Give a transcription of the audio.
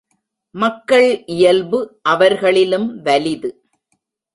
மக்கள் இயல்பு அவர்களிலும் வலிது.